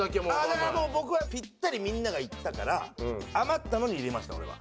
だからもう僕はピッタリみんながいったから余ったのに入れました俺は。